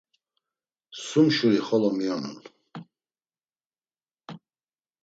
Sum şuri xolo miyonun.